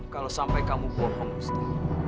kalau sampai kamu bohong mesti